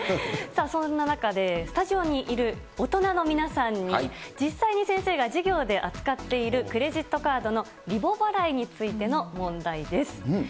そんな中で、スタジオにいる大人の皆さんに、実際に先生が授業で扱っている、クレジットカードのリボ払いについての問題です。